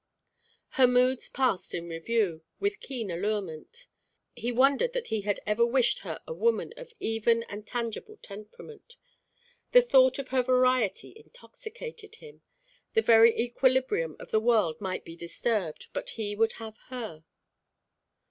Her moods passed in review, with keen allurement. He wondered that he had ever wished her a woman of even and tangible temperament. The thought of her variety intoxicated him. The very equilibrium of the world might be disturbed, but he would have her.